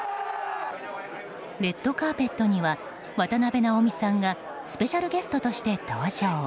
レッドカーペットには渡辺直美さんがスペシャルゲストとして登場。